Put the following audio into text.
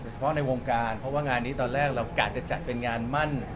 เฉพาะในวงการเพราะว่างานนี้ตอนแรกเรากะจะจัดเป็นงานมั่น